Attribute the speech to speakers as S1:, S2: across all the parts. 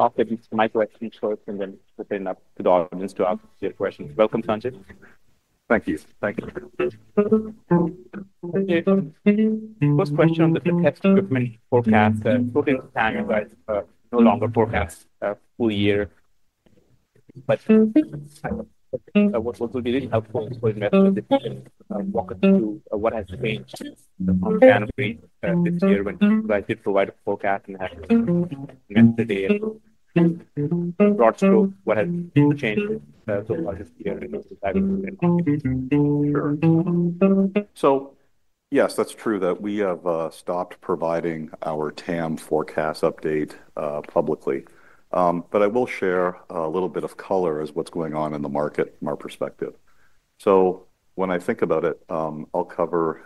S1: ... after this, Michael has a few thoughts and then open up to the audience to ask their questions. Welcome, Sanjay.
S2: Thank you. Thank you. First question on the test equipment forecast, and hoping to time you guys no longer forecast full year. But what would be really helpful for investors if you can walk us through what has changed from January this year, when you guys did provide a forecast and had to amend the day? So broad scope, what has changed so far this year in those decisions? Sure. So yes, that's true that we have stopped providing our TAM forecast update publicly. But I will share a little bit of color on what's going on in the market from our perspective. So when I think about it, I'll cover.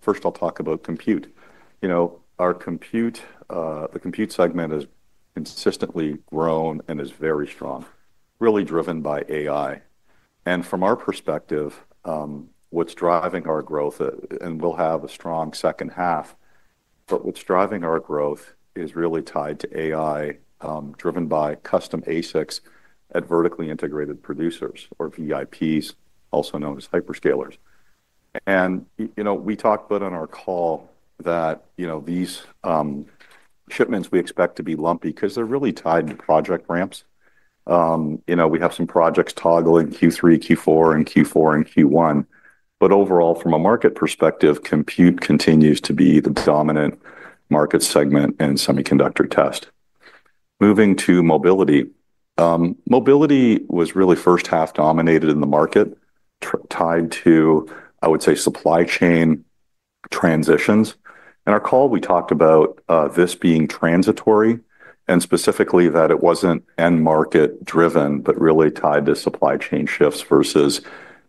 S2: First, I'll talk about compute. You know, our compute, the compute segment has consistently grown and is very strong, really driven by AI. And from our perspective, what's driving our growth, and we'll have a strong second half, but what's driving our growth is really tied to AI, driven by custom ASICs at vertically integrated producers or VIPs, also known as hyperscalers. And you know, we talked about on our call that, you know, these shipments we expect to be lumpy 'cause they're really tied to project ramps. You know, we have some projects toggling Q3, Q4, and Q4 and Q1, but overall, from a market perspective, compute continues to be the dominant market segment in semiconductor test. Moving to mobility. Mobility was really first half dominated in the market, tied to, I would say, supply chain transitions. In our call, we talked about this being transitory, and specifically that it wasn't end market driven, but really tied to supply chain shifts versus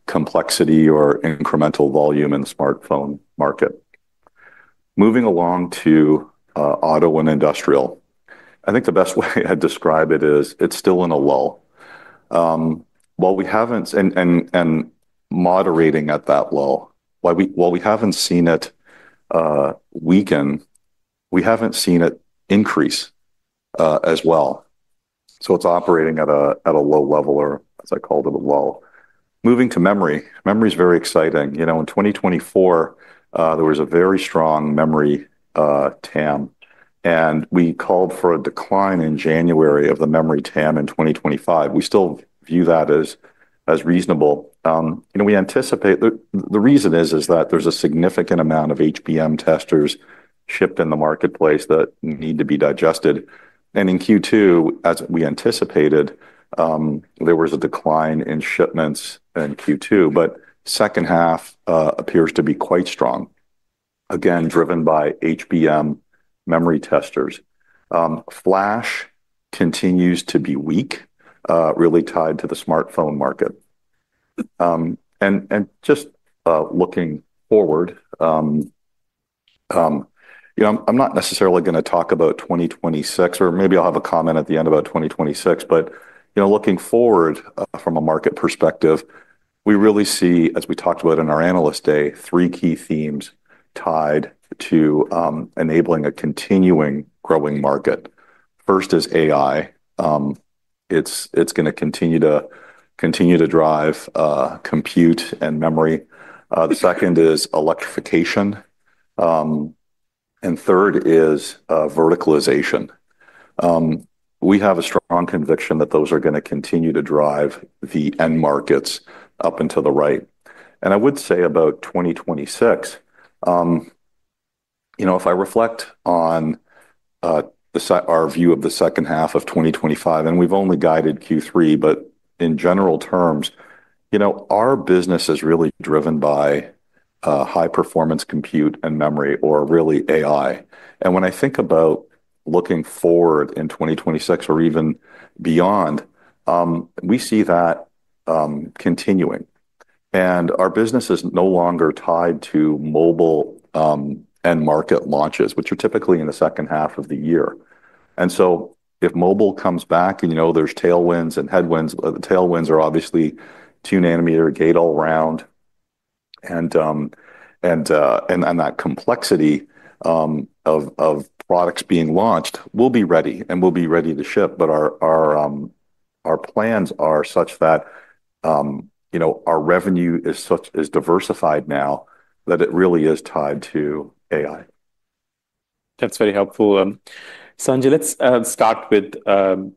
S2: complexity or incremental volume in the smartphone market. Moving along to auto and industrial. I think the best way I'd describe it is, it's still in a lull. While we haven't seen it weaken, we haven't seen it increase as well, so it's operating at a low level or, as I called it, a lull. Moving to memory. Memory is very exciting. You know, in 2024, there was a very strong memory TAM, and we called for a decline in January of the memory TAM in 2025. We still view that as reasonable. The reason is that there's a significant amount of HBM testers shipped in the marketplace that need to be digested. And in Q2, as we anticipated, there was a decline in shipments in Q2, but second half appears to be quite strong, again, driven by HBM memory testers. Flash continues to be weak, really tied to the smartphone market and just looking forward, you know, I'm not necessarily going to talk about 2026, or maybe I'll have a comment at the end about 2026, but you know, looking forward from a market perspective, we really see, as we talked about in our Analyst Day, three key themes tied to enabling a continuing growing market. First is AI. It's going to continue to drive compute and memory. The second is electrification, and third is verticalization. We have a strong conviction that those are going to continue to drive the end markets up and to the right. I would say about 2026, you know, if I reflect on our view of the second half of 2025, and we've only guided Q3, but in general terms, you know, our business is really driven by high performance compute and memory, or really AI. And when I think about looking forward in 2026 or even beyond, we see that continuing, and our business is no longer tied to mobile end market launches, which are typically in the second half of the year. And so if mobile comes back and, you know, there's tailwinds and headwinds, the tailwinds are obviously two nanometer Gate-All-Around, and that complexity of products being launched, we'll be ready to ship. But our plans are such that, you know, our revenue is diversified now, that it really is tied to AI. That's very helpful. Sanjay, let's start with the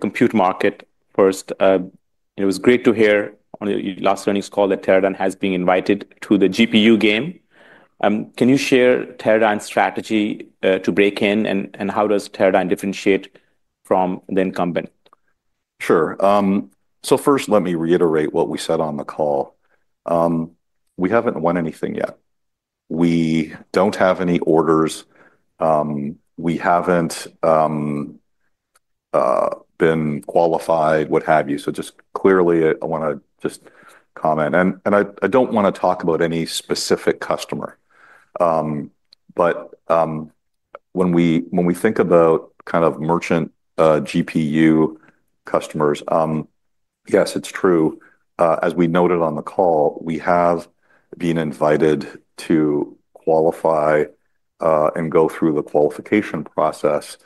S2: compute market first. It was great to hear on your last earnings call that Teradyne has been invited to the GPU game. Can you share Teradyne's strategy to break in, and how does Teradyne differentiate from the incumbent? Sure. So first, let me reiterate what we said on the call. We haven't won anything yet. We don't have any orders. We haven't been qualified, what have you. So just clearly, I want to just comment, and I don't want to talk about any specific customer. But when we think about kind of merchant GPU customers. Yes, it's true. As we noted on the call, we have been invited to qualify and go through the qualification process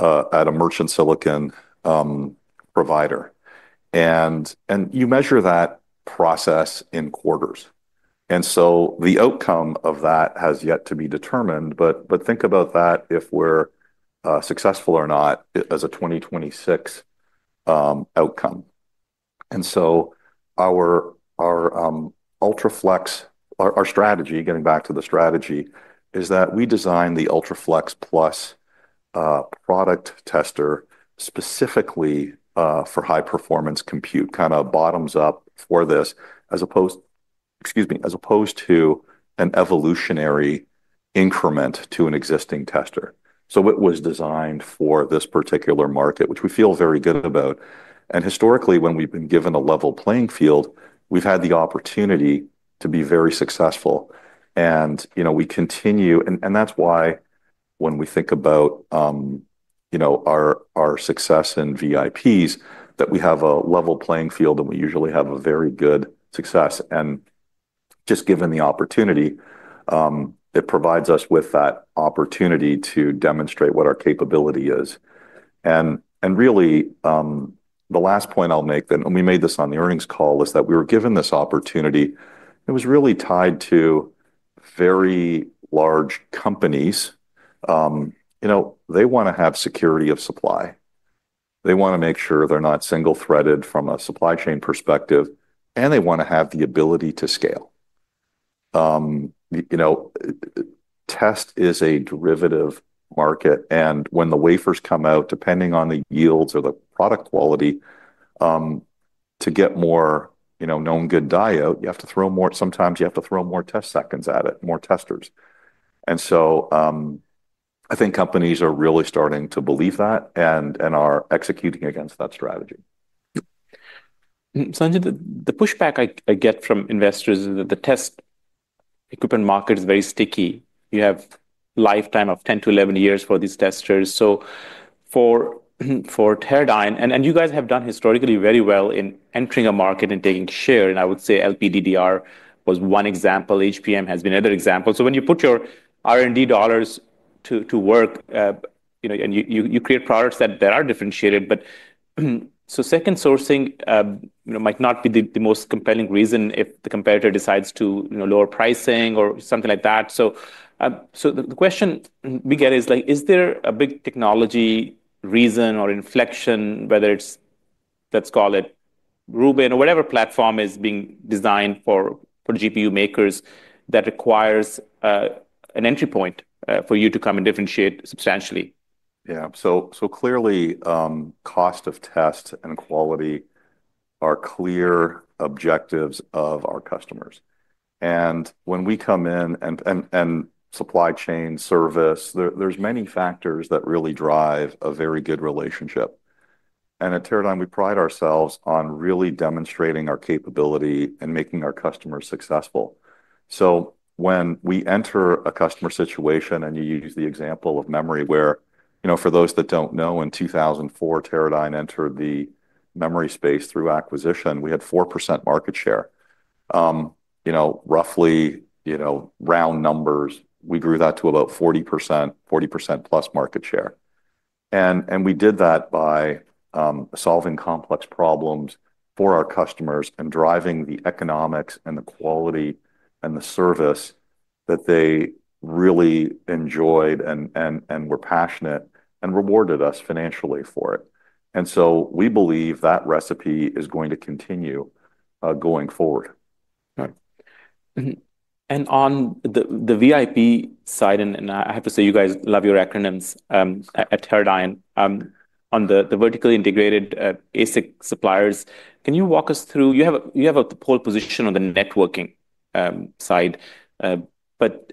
S2: at a merchant silicon provider. And you measure that process in quarters, and so the outcome of that has yet to be determined, but think about that if we're successful or not, as a 2026 outcome. And so our UltraFLEX, our strategy, getting back to the strategy, is that we design the UltraFLEXplus product tester specifically for high-performance compute, kind of bottoms up for this, as opposed to an evolutionary increment to an existing tester. So it was designed for this particular market, which we feel very good about. And, historically when we've been given a level playing field and you know, we continue, and that's why when we think about, you know, our success in VIPs, that we have a level playing field, and we usually have a very good success. And just given the opportunity, it provides us with that opportunity to demonstrate what our capability is. Really, the last point I'll make, and we made this on the earnings call, is that we were given this opportunity. It was really tied to very large companies. You know, they want to have security of supply. They want to make sure they're not single-threaded from a supply chain perspective, and they want to have the ability to scale. You know, test is a derivative market, and when the wafers come out, depending on the yields or the product quality, to get more, you know, known good die out, you have to throw more, sometimes you have to throw more test seconds at it, more testers. I think companies are really starting to believe that and are executing against that strategy. Sanjay, the pushback I get from investors is that the test equipment market is very sticky. You have lifetime of 10 to 11 years for these testers. So for Teradyne, and you guys have done historically very well in entering a market and taking share, and I would say LPDDR was one example, HBM has been another example. So when you put your R&D dollars to work, you know, and you create products that are differentiated, but so second sourcing, you know, might not be the most compelling reason if the competitor decides to, you know, lower pricing or something like that. So, the question we get is, like, is there a big technology reason or inflection, whether it's, let's call it Rubin or whatever platform is being designed for GPU makers, that requires an entry point for you to come and differentiate substantially? Yeah. So, so clearly, cost of test and quality are clear objectives of our customers. And when we come in and supply chain service, there's many factors that really drive a very good relationship. And at Teradyne, we pride ourselves on really demonstrating our capability and making our customers successful. So when we enter a customer situation, and you use the example of memory, where you know, for those that don't know, in 2004, Teradyne entered the memory space through acquisition. We had 4% market share. You know, roughly, you know, round numbers, we grew that to about 40%, 40% plus market share. And we did that by solving complex problems for our customers and driving the economics and the quality and the service that they really enjoyed and were passionate and rewarded us financially for it. And so we believe that recipe is going to continue, going forward. Right. And on the VIP side, and I have to say, you guys love your acronyms at Teradyne, on the vertically integrated ASIC suppliers, can you walk us through? You have a pole position on the networking side, but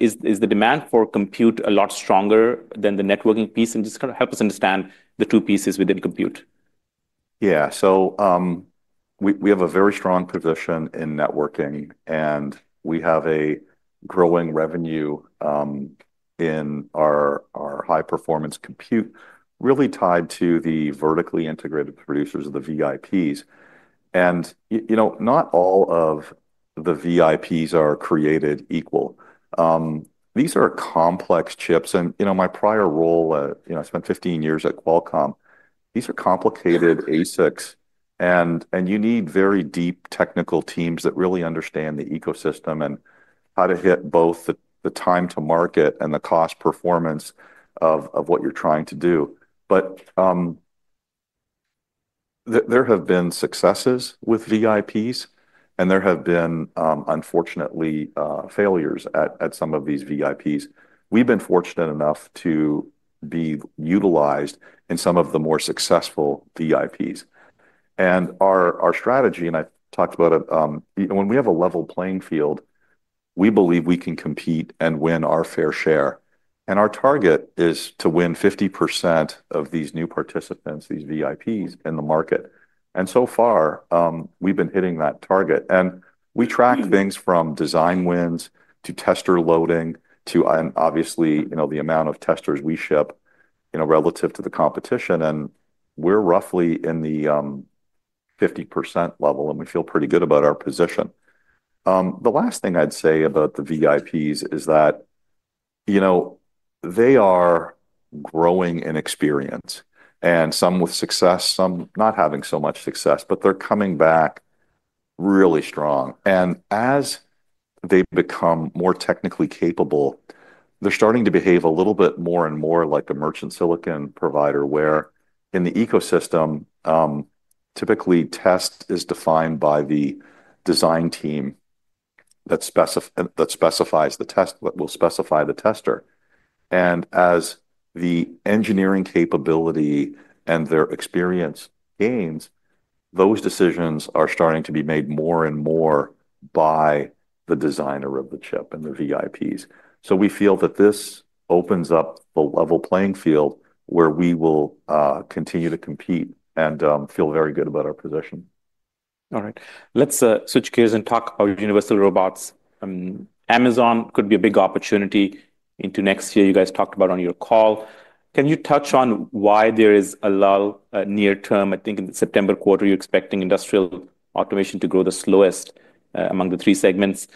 S2: is the demand for compute a lot stronger than the networking piece? And just kind of help us understand the two pieces within compute. Yeah. So, we have a very strong position in networking, and we have a growing revenue in our high-performance compute, really tied to the vertically integrated producers of the VIPs. And you know, not all of the VIPs are created equal. These are complex chips and, you know, my prior role at, you know. I spent 15 years at Qualcomm. These are complicated ASICs, and you need very deep technical teams that really understand the ecosystem and how to hit both the time to market and the cost performance of what you're trying to do. But, there have been successes with VIPs, and there have been, unfortunately, failures at some of these VIPs. We've been fortunate enough to be utilized in some of the more successful VIPs. And our strategy, and I talked about it, you know, when we have a level playing field, we believe we can compete and win our fair share, and our target is to win 50% of these new participants, these VIPs, in the market. And so far, we've been hitting that target, and we track things from design wins, to tester loading, to, and obviously, you know, the amount of testers we ship, you know, relative to the competition, and we're roughly in the 50% level, and we feel pretty good about our position. The last thing I'd say about the VIPs is that, you know, they are growing in experience, and some with success, some not having so much success, but they're coming back really strong. As they become more technically capable, they're starting to behave a little bit more and more like a merchant silicon provider, where in the ecosystem, typically test is defined by the design team that specifies the test, that will specify the tester. As the engineering capability and their experience gains, those decisions are starting to be made more and more by the designer of the chip and the VIPs. We feel that this opens up the level playing field, where we will continue to compete and feel very good about our position. All right. Let's switch gears and talk about Universal Robots. Amazon could be a big opportunity into next year, you guys talked about on your call. Can you touch on why there is a lull near term? I think in the September quarter, you're expecting industrial automation to grow the slowest among the three segments,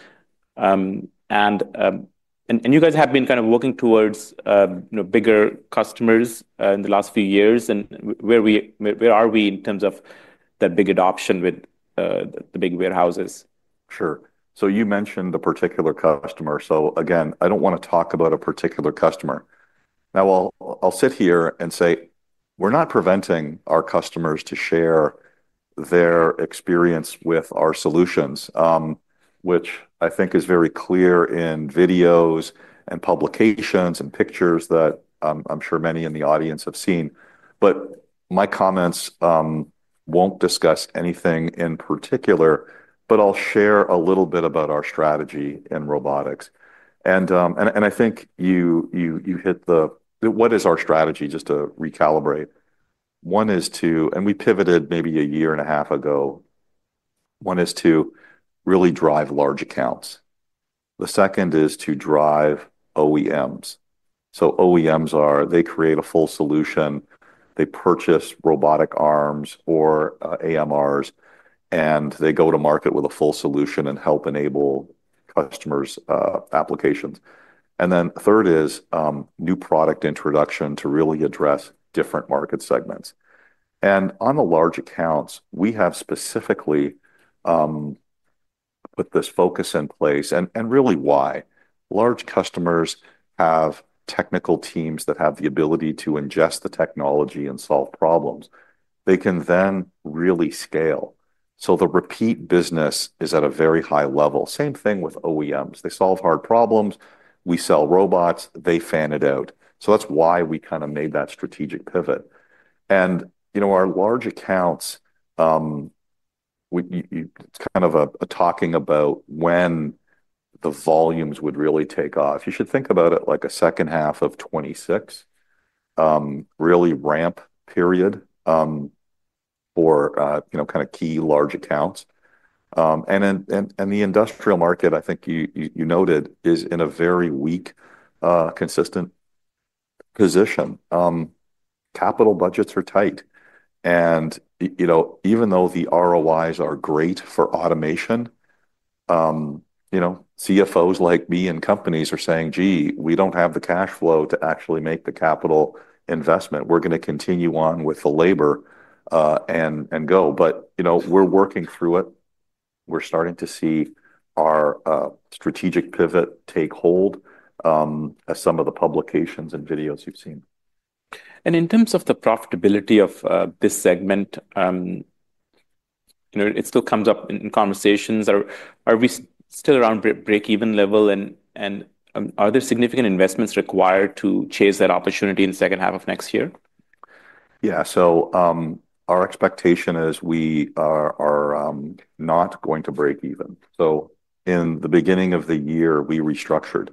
S2: and you guys have been kind of working towards, you know, bigger customers in the last few years, and where are we in terms of that big adoption with the big warehouses? Sure, so you mentioned the particular customer, so again, I don't want to talk about a particular customer. Now, I'll sit here and say: We're not preventing our customers to share their experience with our solutions, which I think is very clear in videos, publications, and pictures that I'm sure many in the audience have seen, but my comments won't discuss anything in particular, but I'll share a little bit about our strategy in robotics, and I think you hit what is our strategy, just to recalibrate, and we pivoted maybe a year and a half ago. One is to really drive large accounts. The second is to drive OEMs. So OEMs are. They create a full solution. They purchase robotic arms or AMRs, and they go to market with a full solution and help enable customers' applications. And then third is new product introduction to really address different market segments. And on the large accounts, we have specifically put this focus in place, and really why? Large customers have technical teams that have the ability to ingest the technology and solve problems. They can then really scale, so the repeat business is at a very high level. Same thing with OEMs. They solve hard problems, we sell robots, they fan it out. So that's why we kind of made that strategic pivot. And you know, our large accounts, we're kind of talking about when the volumes would really take off. You should think about it like a second half of 2026, really ramp period for you know kind of key large accounts, and then the industrial market, I think you noted, is in a very weak, consistent position. Capital budgets are tight, and you know even though the ROIs are great for automation, you know CFOs like me in companies are saying, "Gee, we don't have the cash flow to actually make the capital investment. We're going to continue on with the labor and go," but you know we're working through it. We're starting to see our strategic pivot take hold as some of the publications and videos you've seen. And in terms of the profitability of this segment, you know, it still comes up in conversations. Are we still around break-even level, and are there significant investments required to chase that opportunity in the second half of next year? Yeah. So, our expectation is we are not going to break even. So in the beginning of the year, we restructured.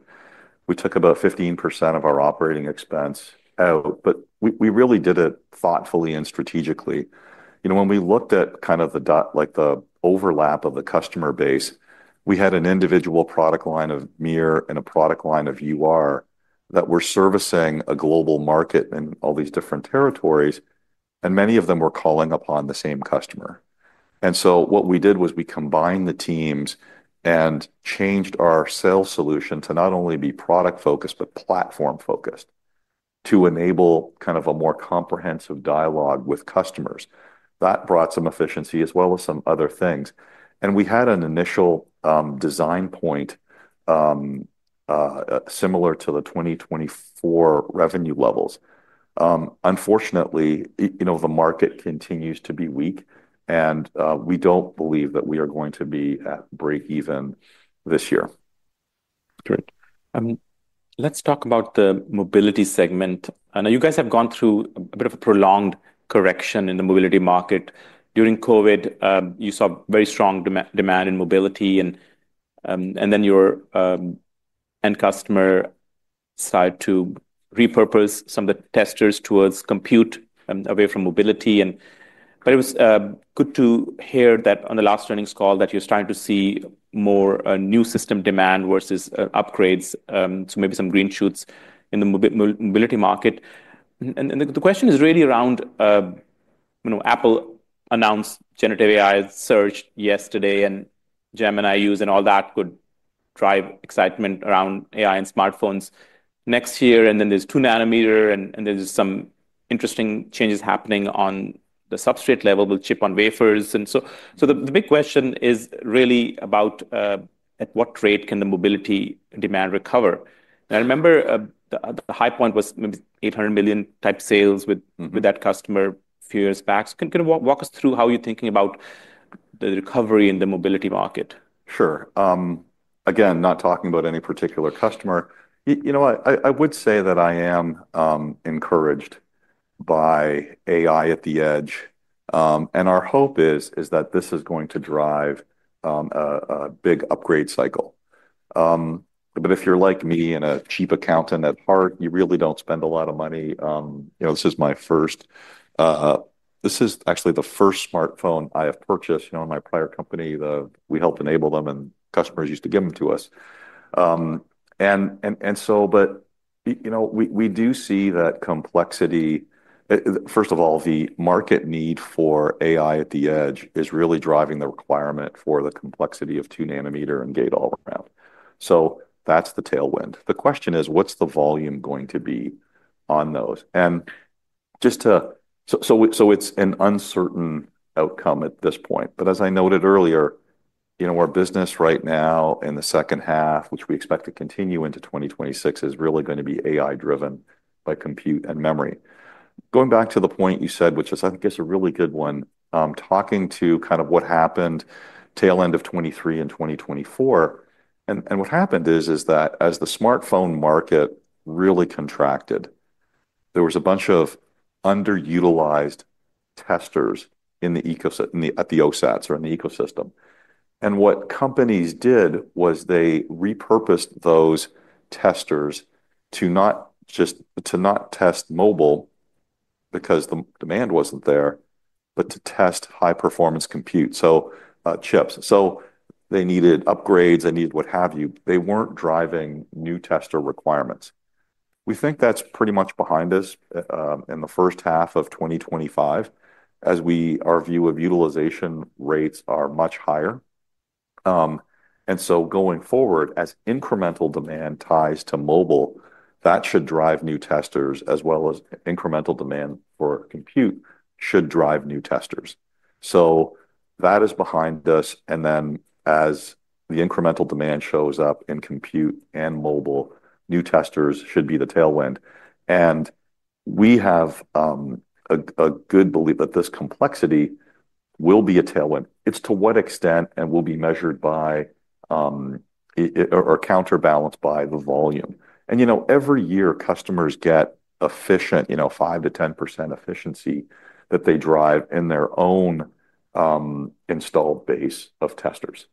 S2: We took about 15% of our operating expense out, but we really did it thoughtfully and strategically. You know, when we looked at kind of like the overlap of the customer base, we had an individual product line of MiR and a product line of UR, that were servicing a global market in all these different territories, and many of them were calling upon the same customer. And so what we did was we combined the teams and changed our sales solution to not only be product focused, but platform focused, to enable kind of a more comprehensive dialogue with customers. That brought some efficiency, as well as some other things. And we had an initial design point similar to the 2024 revenue levels. Unfortunately, you know, the market continues to be weak, and we don't believe that we are going to be at break even this year. Great. Let's talk about the mobility segment. I know you guys have gone through a bit of a prolonged correction in the mobility market. During COVID, you saw very strong demand in mobility, and then your end customer started to repurpose some of the testers towards compute, away from mobility, but it was good to hear that on the last earnings call that you're starting to see more new system demand versus upgrades, so maybe some green shoots in the mobility market. The question is really around, you know, Apple announced generative AI search yesterday, and Gemini use and all that could drive excitement around AI and smartphones next year, and then there's two nanometer, and there's some interesting changes happening on the substrate level with Chip-on-Wafers. And so the big question is really about at what rate can the mobility demand recover? I remember the high point was maybe eight hundred million type sales with- Mm-hmm. with that customer a few years back. Can you walk us through how you're thinking about the recovery in the mobility market? Sure. Again, not talking about any particular customer. You know what? I would say that I am encouraged by AI at the edge. And our hope is that this is going to drive a big upgrade cycle. But if you're like me and a cheap accountant at heart, you really don't spend a lot of money. You know, this is my first, this is actually the first smartphone I have purchased. You know, in my prior company, we helped enable them, and customers used to give them to us. And so but, you know, we do see that complexity, first of all, the market need for AI at the edge is really driving the requirement for the complexity of two nanometer and Gate-All-Around. So that's the tailwind. The question is: What's the volume going to be on those? And so it's an uncertain outcome at this point. But as I noted earlier, you know, our business right now in the second half, which we expect to continue into 2026, is really going to be AI-driven by compute and memory. Going back to the point you said, which is, I think, a really good one, talking to kind of what happened tail end of 2023 and 2024, and what happened is that as the smartphone market really contracted, there was a bunch of underutilized testers at the OSATs or in the ecosystem. And what companies did was they repurposed those testers to not test mobile, because the demand wasn't there, but to test high-performance compute, so chips. So they needed upgrades, they needed what have you. They weren't driving new tester requirements. We think that's pretty much behind us in the first half of 2025, as our view of utilization rates are much higher. And so going forward, as incremental demand ties to mobile, that should drive new testers, as well as incremental demand for compute should drive new testers. So that is behind us, and then as the incremental demand shows up in compute and mobile, new testers should be the tailwind. And we have a good belief that this complexity will be a tailwind. It's to what extent and will be measured by or counterbalanced by the volume. And you know, every year, customers get efficient, you know, 5%-10% efficiency that they drive in their own installed base of testers.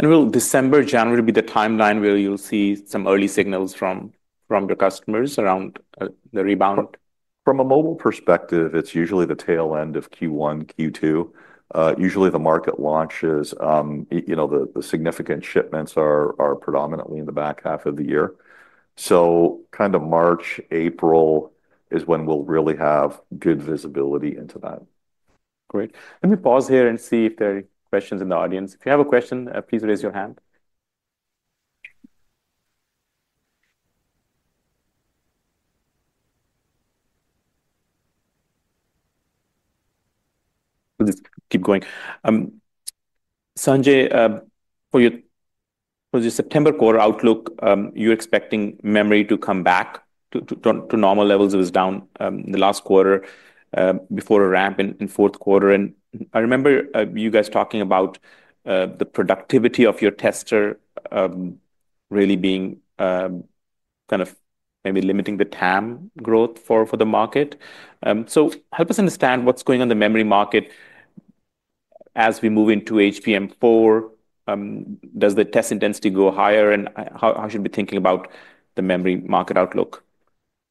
S2: Will December, January, be the timeline where you'll see some early signals from your customers around the rebound? From a mobile perspective, it's usually the tail end of Q1, Q2. Usually the market launches, you know, the significant shipments are predominantly in the back half of the year. So kind of March, April is when we'll really have good visibility into that. Great. Let me pause here and see if there are questions in the audience. If you have a question, please raise your hand. We'll just keep going. Sanjay, for the September quarter outlook, you're expecting memory to come back to normal levels. It was down in the last quarter before a ramp in fourth quarter. And I remember you guys talking about the productivity of your tester really being kind of maybe limiting the TAM growth for the market. So help us understand what's going on in the memory market as we move into HBM4. Does the test intensity go higher, and how should we be thinking about the memory market outlook?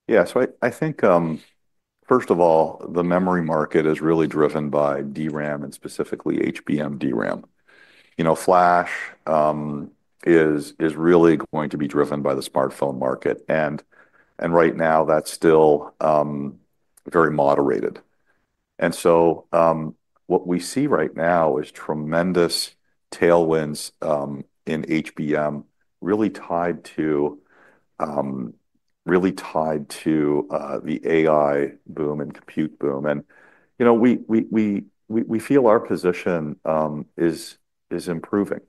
S2: Yeah. So I think, first of all, the memory market is really driven by DRAM, and specifically HBM DRAM. You know, flash is really going to be driven by the smartphone market, and right now that's still very moderated. And so what we see right now is tremendous tailwinds in HBM, really tied to the AI boom and compute boom. And, you know, we feel our position is improving.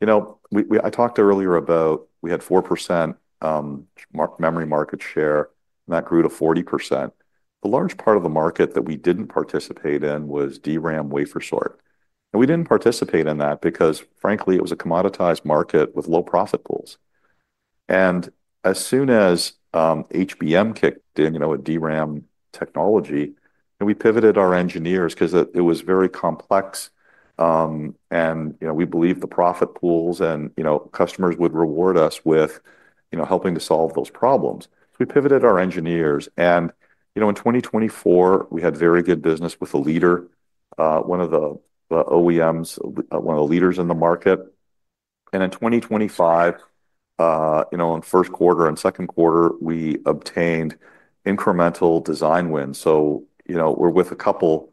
S2: You know, we-- I talked earlier about we had 4% memory market share, and that grew to 40%. The large part of the market that we didn't participate in was DRAM wafer sort, and we didn't participate in that because, frankly, it was a commoditized market with low profit pools. And as soon as HBM kicked in, you know, with DRAM technology, and we pivoted our engineers 'cause it was very complex. And, you know, we believe the profit pools, and, you know, customers would reward us with, you know, helping to solve those problems. We pivoted our engineers, and, you know, in 2024, we had very good business with a leader, one of the OEMs, one of the leaders in the market. And in 2025, you know, in first quarter and second quarter, we obtained incremental design wins. So, you know, we're with a couple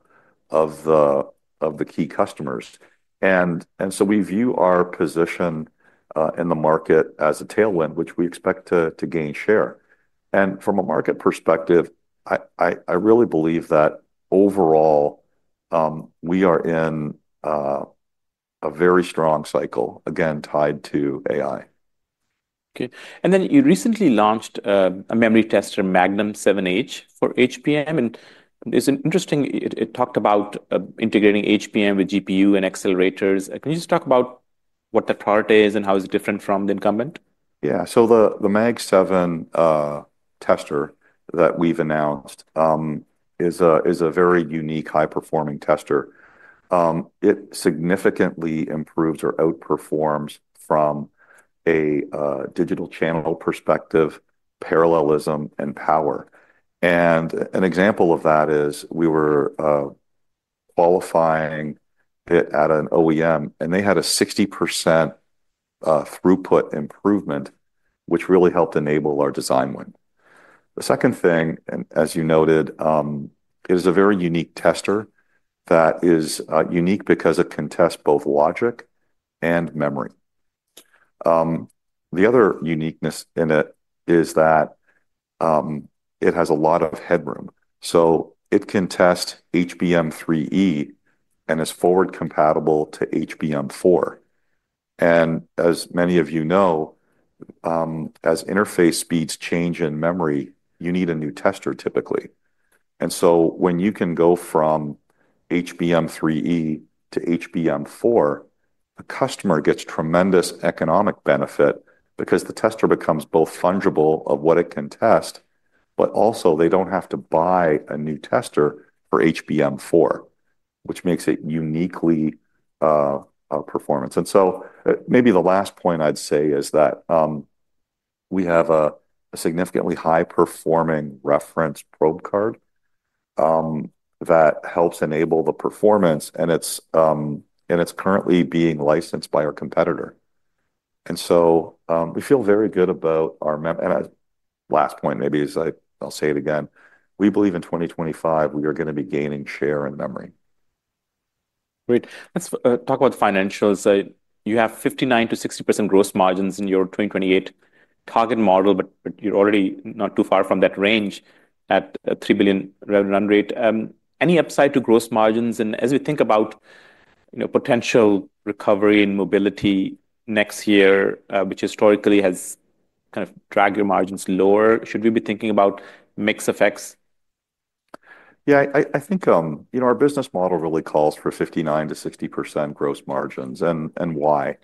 S2: of the key customers. And so we view our position in the market as a tailwind, which we expect to gain share. From a market perspective, I really believe that overall, we are in a very strong cycle, again, tied to AI. Okay. And then you recently launched a memory tester, Magnum 7H, for HBM, and it's interesting. It talked about integrating HBM with GPU and accelerators. Can you just talk about what the part is, and how is it different from the incumbent? Yeah. So the Magnum 7 tester that we've announced is a very unique, high-performing tester. It significantly improves or outperforms from a digital channel perspective, parallelism, and power. And an example of that is, we were qualifying it at an OEM, and they had a 60% throughput improvement, which really helped enable our design win. The second thing, and as you noted, it is a very unique tester that is unique because it can test both logic and memory. The other uniqueness in it is that it has a lot of headroom, so it can test HBM3E, and is forward compatible to HBM4. And as many of you know, as interface speeds change in memory, you need a new tester, typically. And so when you can go from HBM3E to HBM4, the customer gets tremendous economic benefit, because the tester becomes both fungible of what it can test, but also they don't have to buy a new tester for HBM4, which makes it uniquely performance. And so, maybe the last point I'd say is that we have a significantly high-performing reference probe card that helps enable the performance, and it's and it's currently being licensed by our competitor. And so, we feel very good about our last point, maybe is I'll say it again, we believe in 2025, we are going to be gaining share in memory. Great. Let's talk about financials. You have 59%-60% gross margins in your 2028 target model, but you're already not too far from that range at a $3 billion run rate. Any upside to gross margins, and as we think about, you know, potential recovery in mobility next year, which historically has kind of dragged your margins lower, should we be thinking about mix effects? Yeah, I think, you know, our business model really calls for 59%-60% gross margins, and why?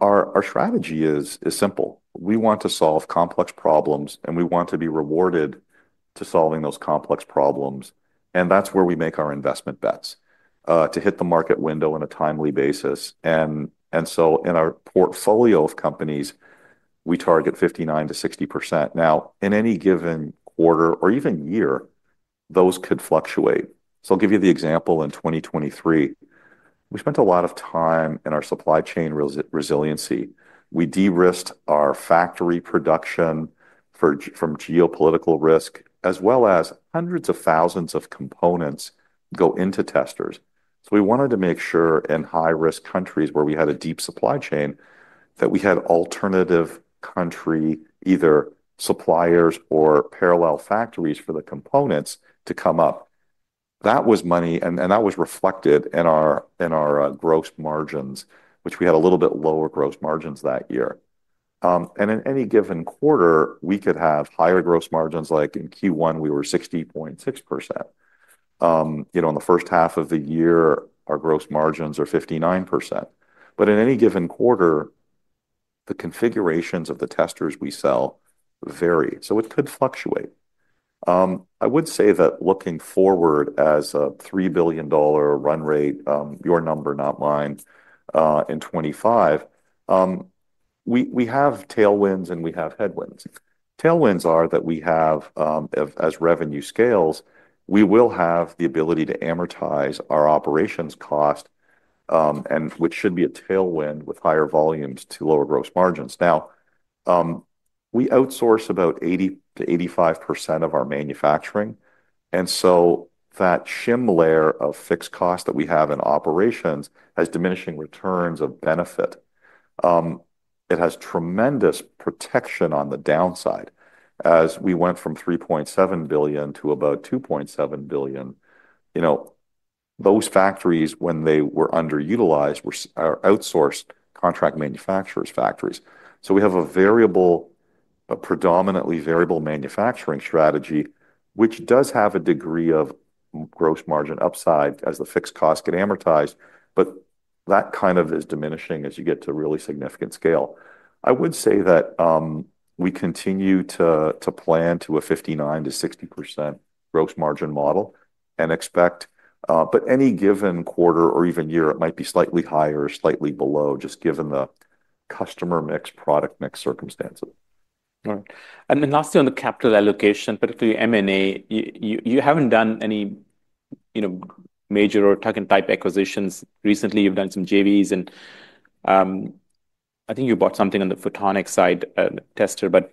S2: Our strategy is simple. We want to solve complex problems, and we want to be rewarded to solving those complex problems, and that's where we make our investment bets to hit the market window on a timely basis. And so in our portfolio of companies, we target 59%-60%. Now, in any given quarter or even year, those could fluctuate. So I'll give you the example, in 2023, we spent a lot of time in our supply chain resiliency. We de-risked our factory production from geopolitical risk, as well as hundreds of thousands of components go into testers. So we wanted to make sure in high-risk countries, where we had a deep supply chain, that we had alternative country, either suppliers or parallel factories for the components to come up. That was money, and that was reflected in our gross margins, which we had a little bit lower gross margins that year, and in any given quarter, we could have higher gross margins, like in Q1, we were 60.6%. You know, in the first half of the year, our gross margins are 59%, but in any given quarter, the configurations of the testers we sell vary, so it could fluctuate. I would say that looking forward as a $3 billion run rate, your number, not mine, in 2025, we have tailwinds and we have headwinds. Tailwinds are that we have, as revenue scales, we will have the ability to amortize our operations cost, and which should be a tailwind with higher volumes to lower gross margins. Now, we outsource about 80%-85% of our manufacturing, and so that shim layer of fixed cost that we have in operations has diminishing returns of benefit. It has tremendous protection on the downside, as we went from $3.7 billion to about $2.7 billion. You know, those factories, when they were underutilized, are outsourced contract manufacturers, factories. So we have a predominantly variable manufacturing strategy, which does have a degree of gross margin upside as the fixed costs get amortized, but that kind of is diminishing as you get to really significant scale. I would say that we continue to plan to a 59-60% gross margin model, and expect... but any given quarter or even year, it might be slightly higher or slightly below, just given the customer mix, product mix circumstances. All right. And then lastly, on the capital allocation, particularly M&A, you haven't done any, you know, major or tuck-in type acquisitions. Recently, you've done some JVs and I think you bought something on the photonics side, tester. But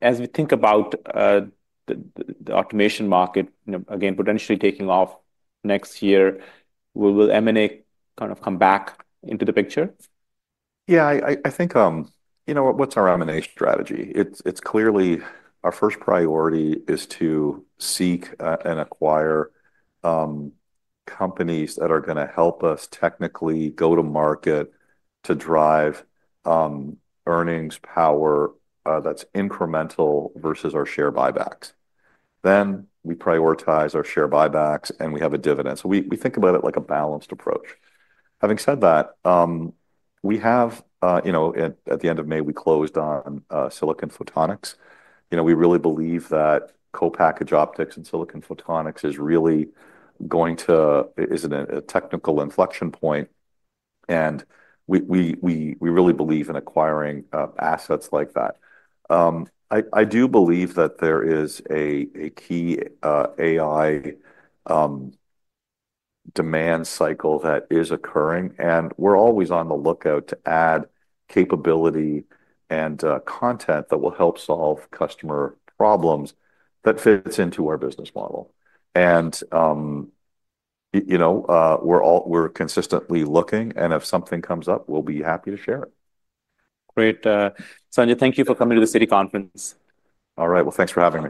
S2: as we think about the automation market, you know, again, potentially taking off next year, will M&A kind of come back into the picture? Yeah, I think, you know, what's our M&A strategy? It's clearly our first priority is to seek and acquire companies that are going to help us technically go to market to drive earnings power that's incremental versus our share buybacks. Then we prioritize our share buybacks, and we have a dividend. So we think about it like a balanced approach. Having said that, we have, you know, at the end of May, we closed on silicon photonics. You know, we really believe that co-packaged optics and silicon photonics is really going to is in a technical inflection point, and we really believe in acquiring assets like that. I do believe that there is a key AI demand cycle that is occurring, and we're always on the lookout to add capability and content that will help solve customer problems that fits into our business model. You know, we're consistently looking, and if something comes up, we'll be happy to share it. Great. Sanjay, thank you for coming to the Citi Conference. All right, well, thanks for having me.